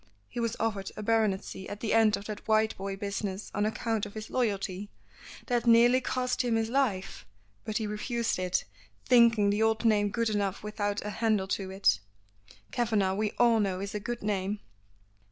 He was offered a baronetcy at the end of that Whiteboy business on account of his loyalty that nearly cost him his life but he refused it, thinking the old name good enough without a handle to it." "Kavanagh, we all know, is a good name."